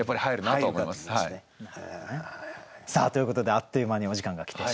ということであっという間にお時間が来てしまいました。